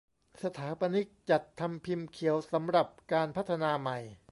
สถาปนิกจัดทำพิมพ์เขียวสำหรับการพัฒนาใหม่